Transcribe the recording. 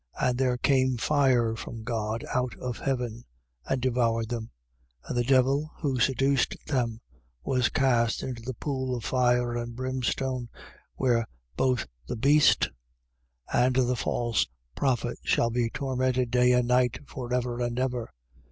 20:9. And there came down fire from God out of heaven and devoured them: and the devil, who seduced them, was cast into the pool of fire and brimstone, where both the beast 20:10. And the false prophet shall be tormented day and night for ever and ever.